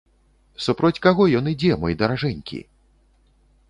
Супроць каго ён ідзе, мой даражэнькі?